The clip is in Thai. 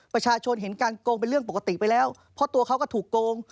ประชาชนเห็นการโกงเป็นเรื่องปกติไปแล้วเพราะตัวเขาก็ถูกโกง